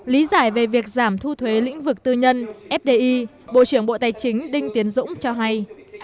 lý giải về việc giảm thu thuế lĩnh vực tư nhân fdi bộ trưởng bộ tài chính đinh tiến dũng cho hay